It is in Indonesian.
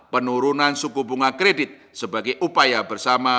bank bank yang lain juga dapat mempercepat